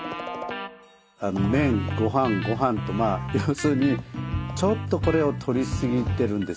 麺ごはんごはんと要するにちょっとこれをとりすぎてるんですよね。